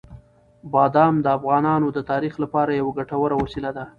بادام د افغانانو د تفریح لپاره یوه ګټوره وسیله ده.